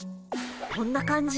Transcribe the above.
こんな感じ？